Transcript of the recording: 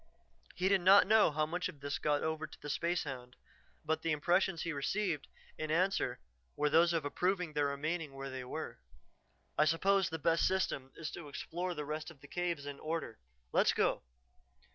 He did not know how much of this got over to the spacehound, but the impressions he received in answer were those of approving their remaining where they were. "I suppose the best system is to explore the rest of the caves in order; let's go."